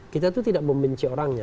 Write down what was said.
kita itu tidak membenci orangnya